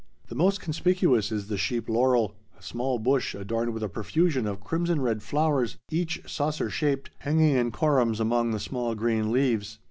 The most conspicuous is the sheep laurel, a small bush adorned with a profusion of crimson red flowers, each saucer shaped, hanging in corymbs among the small green leaves.